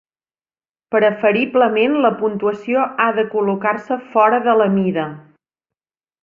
Preferiblement, la puntuació ha de col·locar-se fora de la mida.